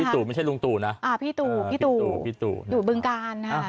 พี่ตู่ไม่ใช่ลุงตู่นะพี่ตู่อยู่เบื้องกาลค่ะ